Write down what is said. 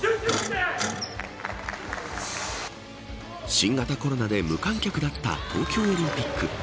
新型コロナでの無観客だった東京オリンピック。